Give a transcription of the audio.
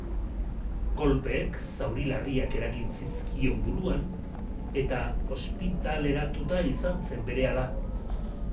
Kolpeek zauri larriak eragin zizkion buruan eta ospitaleratua izan zen berehala.